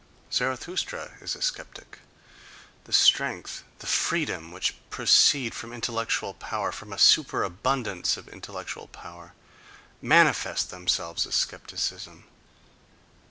Zarathustra is a sceptic. The strength, the freedom which proceed from intellectual power, from a superabundance of intellectual power, manifest themselves as scep ticism.